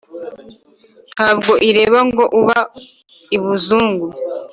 ntabwo ireba ngo uba i buzungu